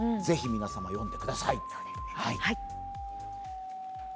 ぜひ皆さん読んでください。